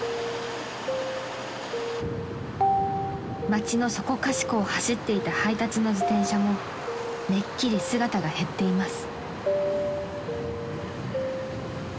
［街のそこかしこを走っていた配達の自転車もめっきり姿が減っています］